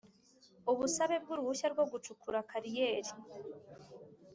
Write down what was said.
Ubusabe bw uruhushya rwo gucukura kariyeri